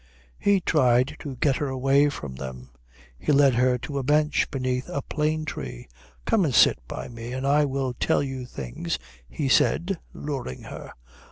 He tried to get her away from them. He led her to a bench beneath a plane tree. "Come and sit by me and I will tell you things," he said, luring her.